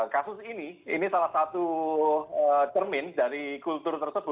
kasus ini ini salah satu cermin dari kultur tersebut